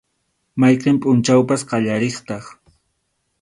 Mayqin pʼunchawpas qallariqtaq.